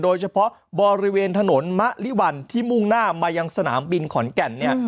โดยเฉพาะบริเวณถนนมะลิวันที่มุ่งหน้ามายังสนามบินขอนแก่นเนี่ย